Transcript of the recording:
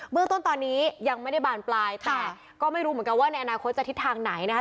เมืองต้นตอนนี้ยังไม่ได้บานปลายแต่ก็ไม่รู้เหมือนกันว่าในอนาคตจะทิศทางไหนนะคะ